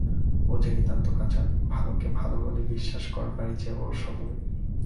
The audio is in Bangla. ও যে নিতান্ত কাঁচা, ভালোকে ভালো বলে বিশ্বাস করবারই যে ওর সময়।